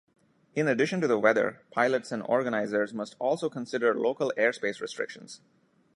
In addition to the weather, pilots and organizers must also consider local airspace restrictions.